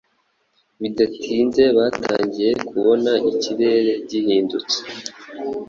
Bidatinze, batangiye kubona ikirere gihindutse